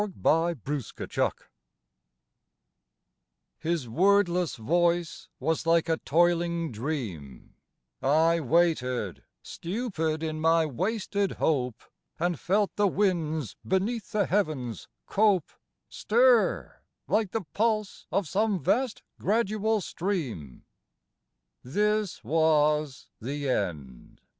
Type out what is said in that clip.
130 XXXVII TOO SOON His wordless voice was like a toiling dream ; I waited, stupid in my wasted hope, And felt the winds, beneath the heavens cope, Stir like the pulse of some vast gradual stream. This was the end.